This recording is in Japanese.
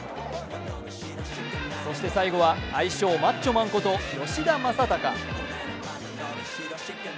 そして、最後は愛称・マッチョマンこと吉田正尚。